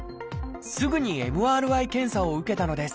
すぐにＭＲＩ検査を受けたのです。